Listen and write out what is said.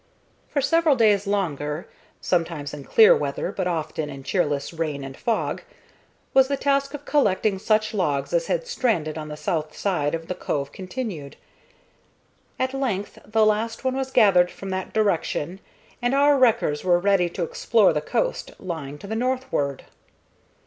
For several days longer, sometimes in clear weather, but often in cheerless rain and fog, was the task of collecting such logs as had stranded on the south side of the cove continued. At length the last one was gathered from that direction, and our wreckers were ready to explore the coast lying to the northward.